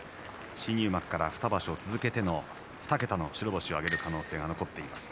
新入幕から２場所続けての２桁の白星の可能性があります。